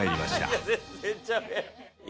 いや全然ちゃうやん。